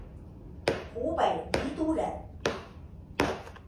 湖北宜都人。